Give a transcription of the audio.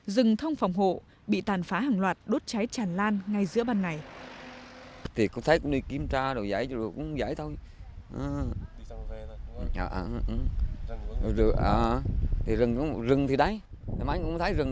dừng thông phòng hộ bị tàn phá hàng loạt đốt trái tràn lan ngay giữa ban ngày